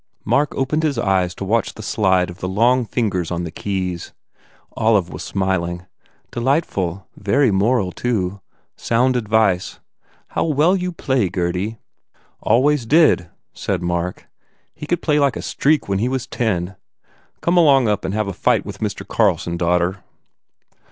Mark opened his eyes to watch the slide of the long fingers on the keys. Olive was smiling. "Delightful. Very moral, too. Sound advice. How well you play, Gurdy!" "Always did," said Mark, "He could play like a streak when he was ten. Come along up and have a fight with Mr. Carlson, daughter."